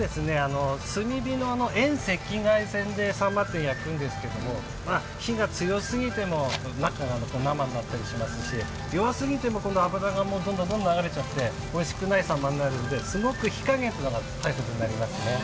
炭火の遠赤外線でさんまって焼くんですけれども火が強すぎても真っ黒になったり中、生になったりしますし、弱すぎても脂がどんどん流れちゃっておいしくないさんまになりますので、すごく火加減が大切になりますね。